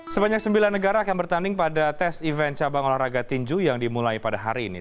sebanyak sembilan negara akan bertanding pada tes event cabang olahraga tinju yang dimulai pada hari ini